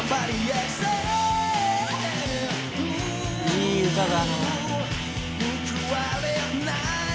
いい歌だな。